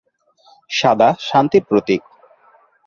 সাদা শান্তির প্রতীক।